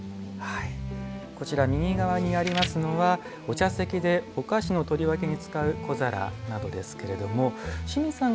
右側にありますのはお茶席でお菓子の取り分けに使う小皿などですけれども清水さん